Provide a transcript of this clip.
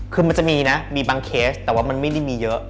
คือมันจะมีนะมีบางเคสแต่ว่ามันไม่ได้มีเยอะ